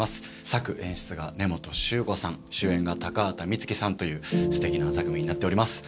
作・演出が根本しゅうこさん、主演が高畑充希さんという、すてきな作品になっております。